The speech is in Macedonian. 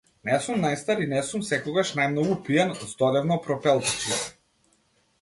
Не сум најстар и не сум секогаш најмногу пијан, здодевно пропелтечив.